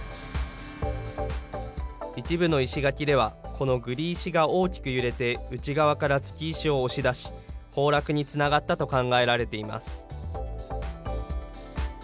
一部の石垣では、この栗石が大きく揺れて、内側から築石を押し出し、崩落につながったと考えられています。